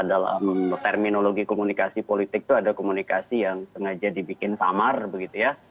dalam terminologi komunikasi politik itu ada komunikasi yang sengaja dibikin samar begitu ya